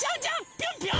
ぴょんぴょん！